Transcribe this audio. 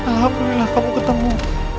alhamdulillah kamu ketemu